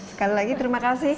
sekali lagi terima kasih